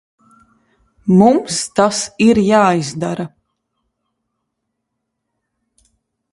Mums tas ir jāizdara.